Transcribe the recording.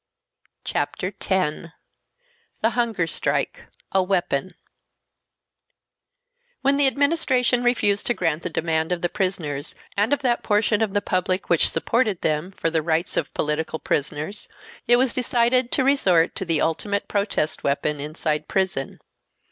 Chapter 10 The Hunger Strike—A Weapon When the Administration refused to grant the demand of the prisoners and of that portion of the public which supported them, for the rights of political prisoners, it was decided to resort to the ultimate protest weapon inside prison.